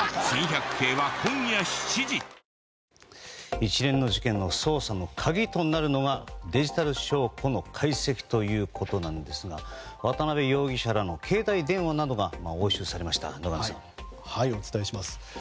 一連の事件の捜査の鍵となるのはデジタル証拠の解析ということなんですが渡邉容疑者らの携帯電話などが押収されましたねお伝えします。